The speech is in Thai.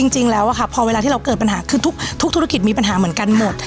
จริงแล้วพอเวลาที่เราเกิดปัญหาคือทุกธุรกิจมีปัญหาเหมือนกันหมด